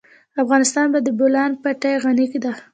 افغانستان په د بولان پټي غني دی.